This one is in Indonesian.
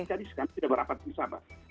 jadi sekarang tidak berapa terserah